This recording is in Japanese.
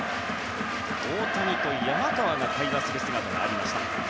大谷と山川が会話する姿がありました。